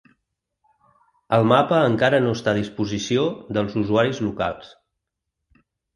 El mapa encara no està a disposició dels usuaris locals.